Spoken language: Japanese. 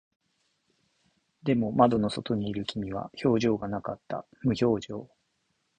でも、窓の外にいる君は表情がなかった。無表情。